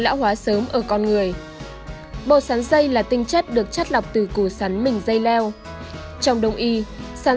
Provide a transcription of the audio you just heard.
sống sớm ở con người bộ sáng dây là tinh chất được chất lọc từ củ sắn mình dây leo trong đồng y sáng